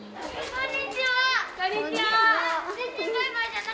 こんにちは。